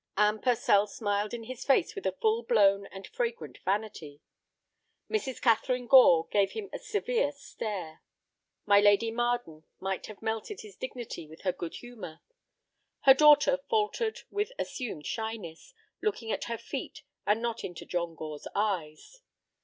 Anne Purcell smiled in his face with a full blown and fragrant vanity. Mrs. Catharine Gore gave him a severe stare. My Lady Marden might have melted his dignity with her good humor; her daughter faltered with assumed shyness, looking at her feet and not into John Gore's eyes.